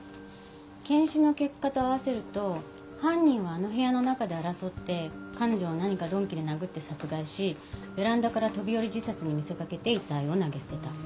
検視の結果と合わせると犯人はあの部屋の中で争って彼女を何か鈍器で殴って殺害しベランダから飛び降り自殺に見せかけて遺体を投げ捨てた。